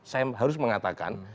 saya harus mengatakan